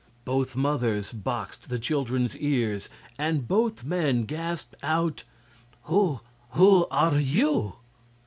Both mothers boxed the children's ears, and both men gasped out: "Who who are you?"